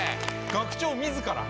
学長自ら？